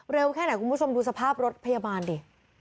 แค่ไหนคุณผู้ชมดูสภาพรถพยาบาลดิ